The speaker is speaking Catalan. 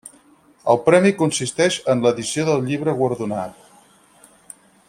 El premi consisteix en l'edició del llibre guardonat.